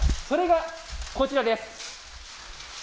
それがこちらです。